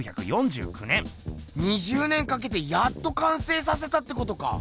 ２０年かけてやっと完成させたってことか。